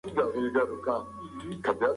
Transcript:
سردرد د هارمون بدلون سره تړلی دی.